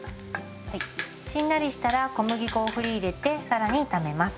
はいしんなりしたら小麦粉を振り入れて更に炒めます。